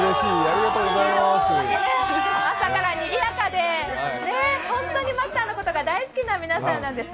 朝からにぎやかで、本当にマスターのことが大好きな皆さんなんです。